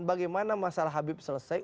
bagaimana masalah habib selesai